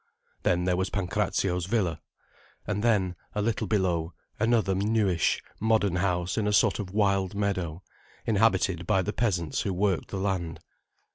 Then there was Pancrazio's villa. And then, a little below, another newish, modern house in a sort of wild meadow, inhabited by the peasants who worked the land.